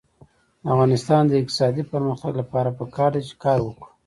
د افغانستان د اقتصادي پرمختګ لپاره پکار ده چې کار وکړو.